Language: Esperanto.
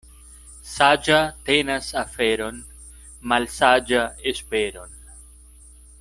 Saĝa tenas aferon, malsaĝa esperon.